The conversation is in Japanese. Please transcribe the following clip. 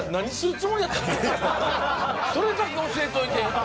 それだけ教えといて。